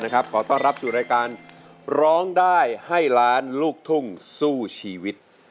ขอต้อนรับสู่รายการร้องได้ให้ล้านลูกทุ่งสู้ชีวิต